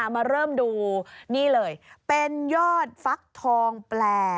มาเริ่มดูนี่เลยเป็นยอดฟักทองแปล